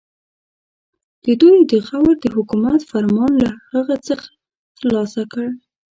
دوی د غور د حکومت فرمان له هغه څخه ترلاسه کړ.